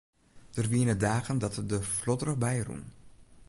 Der wiene dagen dat er der flodderich by rûn.